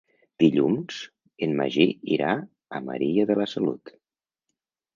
Dilluns en Magí irà a Maria de la Salut.